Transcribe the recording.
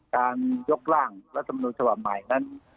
การยกร่างรัฐสมนุษย์ฉบับใหม่